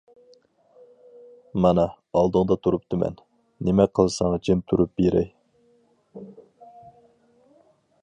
مانا ئالدىڭدا تۇرۇپتىمەن، نېمە قىلساڭ جىم تۇرۇپ بېرىمەن.